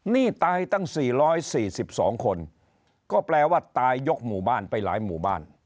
นี่ตายตั้ง๔๔๒คนก็แปลว่าตายยกหมู่บ้านไปหลายหมู่บ้าน